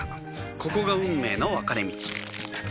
ここが運命の分かれ道